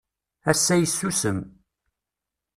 Ass-a yessusem.